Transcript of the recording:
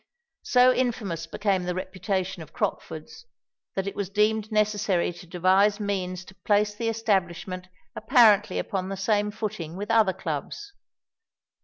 So infamous became the reputation of Crockford's, that it was deemed necessary to devise means to place the establishment apparently upon the same footing with other Clubs.